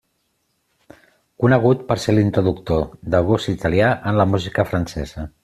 Conegut per ser l'introductor del gust italià en la música francesa.